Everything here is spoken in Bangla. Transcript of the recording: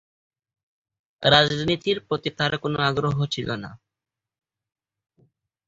রাজনীতির প্রতি তার কোনো আগ্রহ ছিলো না।